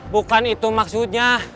bukan itu maksudnya